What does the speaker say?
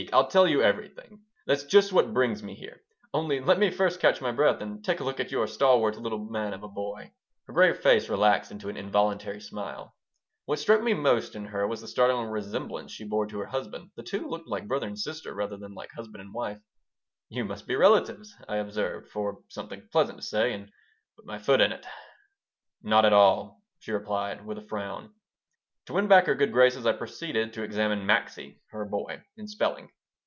I'll tell you everything. That's just what brings me here. Only let me first catch my breath and take a look at your stalwart little man of a boy." Her grave face relaxed into an involuntary smile What struck me most in her was the startling resemblance she bore to her husband. The two looked like brother and sister rather than like husband and wife "You must be relatives," I observed, for something pleasant to say, and put my foot in it "Not at all," she replied, with a frown To win back her good graces I proceeded to examine Maxie, her boy, in spelling.